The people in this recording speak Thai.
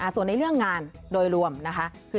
ส่วนในเรื่องงานโดยรวมนะคะ